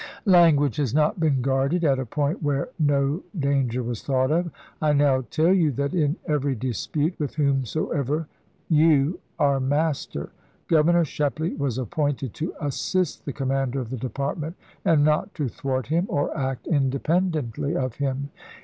Language has not been guarded at a point where no danger was thought of. I now teU you that in every dispute, with whomsoever, you are master. Governor Shepley was appointed to assist the Commander of the Department and not to thwart him or act independently 428 Dec. 24, 1863. MS. ABKAHAM LINCOLN of him.